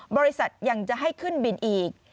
บริษัทยังจะให้ขึ้นบินอีก